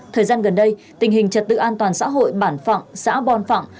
thời gian gần đây tình hình trật tự an toàn xã hội bản phạng xã bòn phạng